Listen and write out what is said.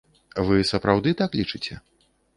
Вы сапраўды так лічыце?